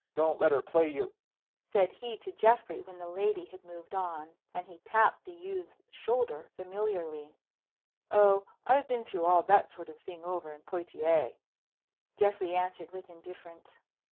"Don't let her play you," said he to Geoffrey when the lady had moved on. And he tapped the youth's shoulder familiarly. "Oh, I've been through all that sort of thing over in Poictiers," Geoffrey answered with indifference.